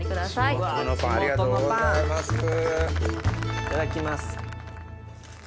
いただきます。